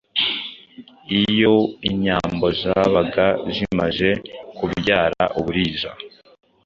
Iyo inyambo zabaga zimaze kubyara uburiza;